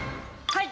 はい！